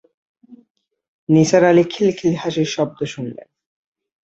নিসার আলি খিলখিল হাসির শব্দ শুনলেন।